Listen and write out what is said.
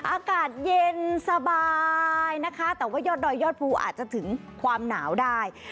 อากาศเย็นสบายนะคะแต่ว่ายอดดอยยอดภูอาจจะถึงความหนาวได้